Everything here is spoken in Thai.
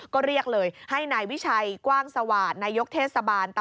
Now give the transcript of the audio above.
ก็เรียกเลยให้นายวิชัยกว้างสวาตร